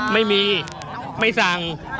ไม่มีไม่สั่ง